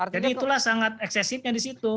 jadi itulah sangat eksesifnya di situ